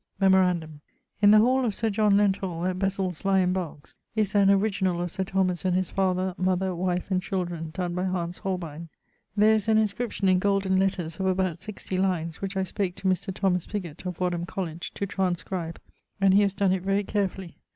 Memorandum: in the hall of Sir John Lenthall, at Bessils Lye in Berks, is an original of Sir Thomas and his father, mother, wife, and children, donne by Hans Holbein. There is an inscription in golden letters of about 60 lines, which I spake to Mr. Thomas Pigot, of Wadham College, to transcribe, and he has donne it very carefully.